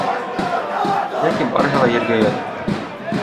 Ләкин барыһы ла ергә ятты.